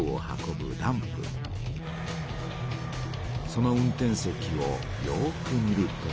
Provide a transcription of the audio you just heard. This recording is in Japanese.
その運転席をよく見ると。